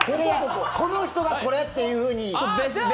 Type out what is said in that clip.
この人がこれっていうふうに。